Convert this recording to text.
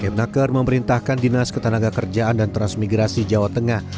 kemnaker memerintahkan dinas ketenaga kerjaan dan transmigrasi jawa tengah